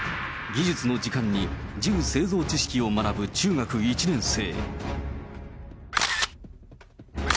技術の時間に銃製造知識を学ぶ中学１年生。